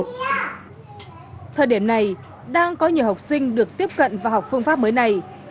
thời điểm này đang có nhiều học sinh được tiếp cận và học phương pháp mới này